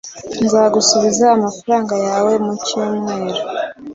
Nzagusubiza amafaranga yawe mucyumweru.